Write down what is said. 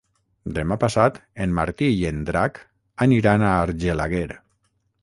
Demà passat en Martí i en Drac aniran a Argelaguer.